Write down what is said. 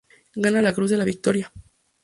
Gana la Cruz de la Victoria.